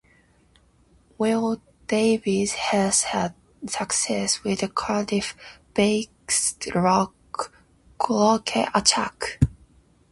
Will Davies has had success with the Cardiff-based rock quartet Attack!